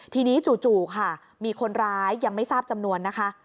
ทีนี้จู่ค่ะมีคนร้ายยังไม่ทราบจำนวนนะคะ